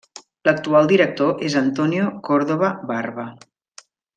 L'actual director és Antonio Córdoba Barba.